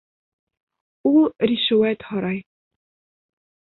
Ул ришүәт һорай.